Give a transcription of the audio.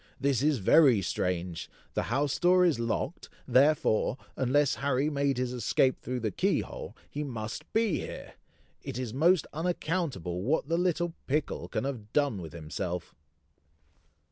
"This is very strange! The house door is locked, therefore, unless Harry made his escape through the key hole, he must be here! It is most unaccountable what the little pickle can have done with himself!"